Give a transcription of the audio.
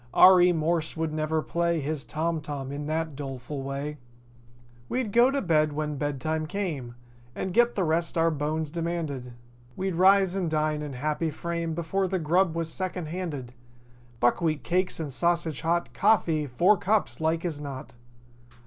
R. E. Morse would never play His tom tom in that doleful way. 213 We'd go to bed when bed time carrie And get the rest our bones demanded. We'd rise and dine in happy frame Before the grub was second handed— Buckwheat cakes and sausage hot— Coffee—four cups, like as not.